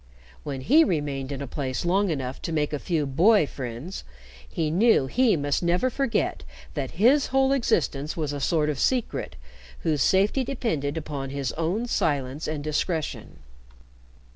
When he remained in a place long enough to make a few boy friends, he knew he must never forget that his whole existence was a sort of secret whose safety depended upon his own silence and discretion.